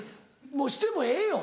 もうしてもええよ